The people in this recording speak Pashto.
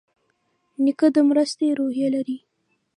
نیکه د مرستې روحیه لري.